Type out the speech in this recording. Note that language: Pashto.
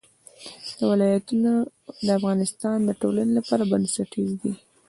ولایتونه د افغانستان د ټولنې لپاره بنسټیز دي.